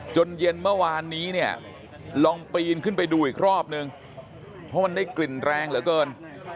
เย็นเมื่อวานนี้เนี่ยลองปีนขึ้นไปดูอีกรอบนึงเพราะมันได้กลิ่นแรงเหลือเกิน